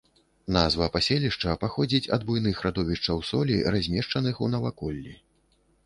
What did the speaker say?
Назва паселішча паходзіць ад буйных радовішчаў солі, размешчаных у наваколлі.